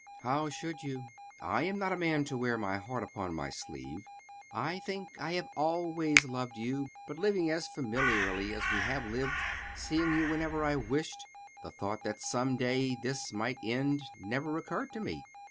"How should you? I am not a man to wear my heart upon my sleeve. I think I have always loved you; but living as familiarly as we have lived, seeing you whenever I wished, the thought that some day this might end never occurred to me.